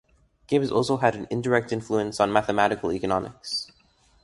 Gibbs also had an indirect influence on mathematical economics.